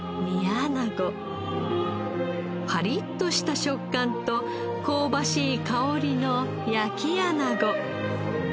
パリッとした食感と香ばしい香りの焼きアナゴ。